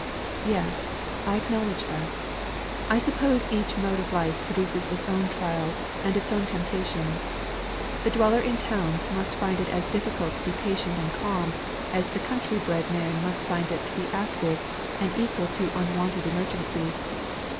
"Yes; I acknowledge that. I suppose each mode of life produces its own trials and its own temptations. The dweller in towns must find it as difficult to be patient, as the country bred man must find it to be active, and equal to unwonted emergencies.